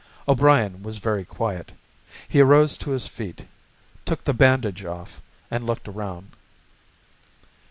O'Brien was very quiet. He arose to his feet, took the bandage off, and looked around.